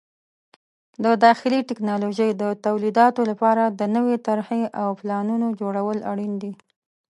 د داخلي ټکنالوژۍ د تولیداتو لپاره د نوې طرحې او پلانونو جوړول اړین دي.